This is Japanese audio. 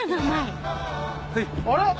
あれ？